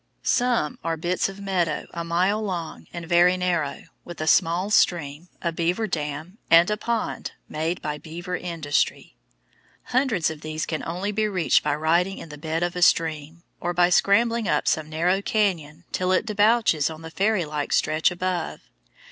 Some are bits of meadow a mile long and very narrow, with a small stream, a beaver dam, and a pond made by beaver industry. Hundreds of these can only be reached by riding in the bed of a stream, or by scrambling up some narrow canyon till it debouches on the fairy like stretch above.